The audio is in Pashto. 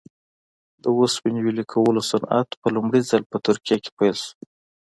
د اوسپنې ویلې کولو صنعت په لومړي ځل په ترکیه کې پیل شو.